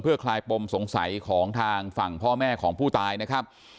คลายปมสงสัยของทางฝั่งพ่อแม่ของผู้ตายนะครับ